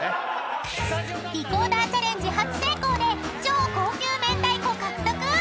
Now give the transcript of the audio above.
［リコーダーチャレンジ初成功で超高級明太子獲得！］